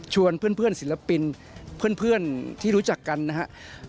เพื่อนศิลปินเพื่อนที่รู้จักกันนะครับ